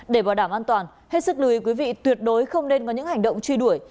để bảo đảm an toàn hết sức lưu ý quý vị tuyệt đối không nên có những hành động truy đuổi